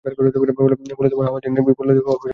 ফলে হাওয়াযিনের হতবিহ্বল বাহিনী অল্পসময়ও টিকতে পারে না।